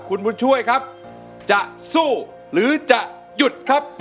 คุณบุญช่วยครับจะสู้หรือจะหยุดครับ